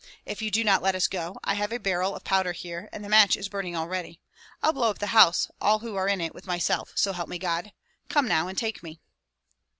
If you do not let us go, I have a barrel of powder here, and the match is burning already. I'll blow up the house and all who are in it with myself, so help me God! Come now and take me!"